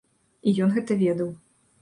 І ён гэта ведаў.